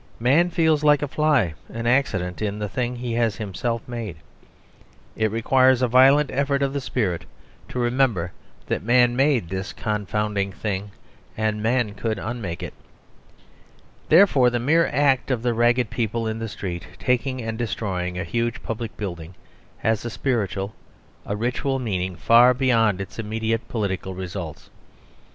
Man feels like a fly, an accident, in the thing he has himself made. It requires a violent effort of the spirit to remember that man made this confounding thing and man could unmake it. Therefore the mere act of the ragged people in the street taking and destroying a huge public building has a spiritual, a ritual meaning far beyond its immediate political results.